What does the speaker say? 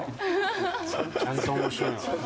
ちゃんと面白いな。